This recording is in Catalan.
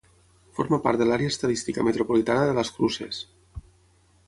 Forma part de l'Àrea estadística metropolitana de Las Cruces.